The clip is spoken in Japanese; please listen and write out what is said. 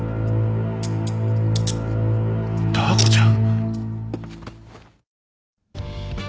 ダー子ちゃん？